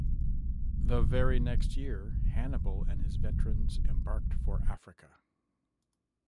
The very next year, Hannibal and his veterans embarked for Africa.